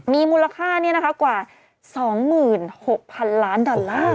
มีมูลค่านี้นะคะกว่า๒๖๐๐๐ล้านดาลลาฮัล